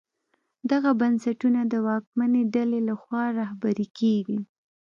دغه بنسټونه د واکمنې ډلې لخوا رهبري کېږي.